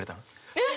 えっ！